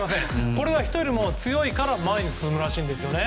これが人よりも強いから前に進むらしいんですよね。